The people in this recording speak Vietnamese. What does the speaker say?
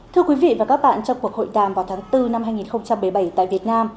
thưa quý vị và các bạn trong cuộc hội đàm vào tháng bốn năm hai nghìn một mươi bảy tại việt nam